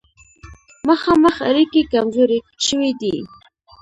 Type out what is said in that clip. مخامخ اړیکې کمزورې شوې دي.